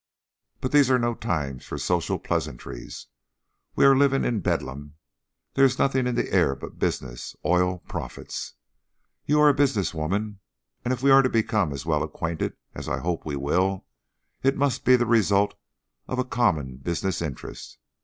But these are no times for social pleasantries. We are living in bedlam. There is nothing in the air but business oil profits. You are a business woman, and if we are to become as well acquainted as I hope we will, it must be the result of a common business interest.